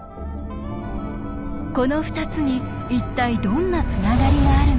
この２つに一体どんなつながりがあるのか？